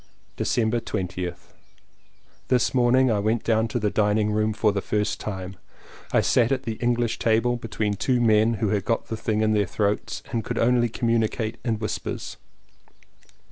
December 20th. This morning I went down to the dining room for the first time. I sat at the English table between two men who had got the thing in their throats and could only communicate in whispers.